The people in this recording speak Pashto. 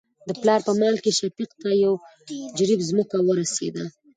د پلار په مال کې شفيق ته يو جرېب ځمکه ورسېده.